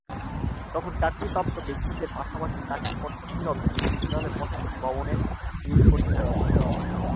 তখন চাকরিপ্রাপ্ত ব্যক্তিদের পাশাপাশি চাকরিপ্রত্যাশীরাও বিশ্ববিদ্যালয়ের প্রশাসন ভবনে ভিড় করতে থাকেন।